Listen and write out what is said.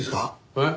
えっ？